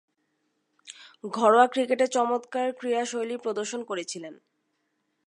ঘরোয়া ক্রিকেটে চমৎকার ক্রীড়াশৈলী প্রদর্শন করেছিলেন তিনি।